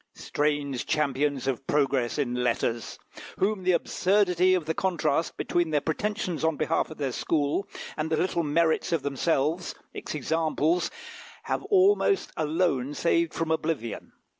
Strange champions of progress in letters! whom the absurdity of the contrast between their pretensions on behalf of their school and the little merits of themselves, its examples, have almost alone saved from oblivion.